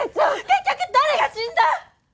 結局誰が死んだ？